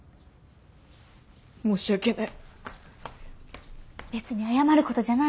申し訳ない！